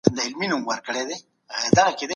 دولتونه به له يو بل سره اقتصادي همکاري کوي.